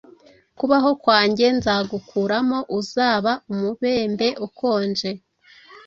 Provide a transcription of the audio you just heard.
Kubaho kwanjye nzagukuramo: Uzaba umubembe ukonje.